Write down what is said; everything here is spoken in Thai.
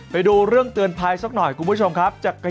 ไปดูเรื่องเตือนภัยสักหน่อยคุณผู้ชมครับ